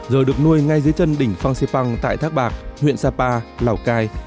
giờ được nuôi ngay dưới chân đỉnh phang sipang tại thác bạc huyện sapa lào cai